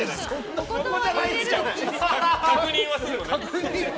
確認はするのね。